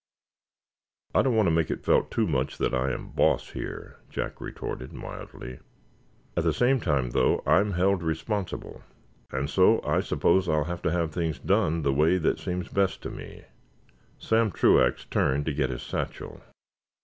"I don't want to make it felt too much that I am boss here," Jack retorted, mildly. "At the same time, though, I'm held responsible, and so I suppose I'll have to have things done the way that seems best to me." Sam Truax turned to get his satchel.